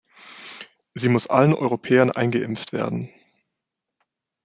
Sie muss allen Europäern eingeimpft werden.